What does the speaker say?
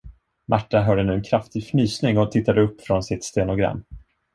Märta hörde nu en kraftig fnysning och tittade upp från sitt stenogram.